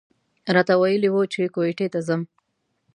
راته ویلي و چې کویټې ته ځي.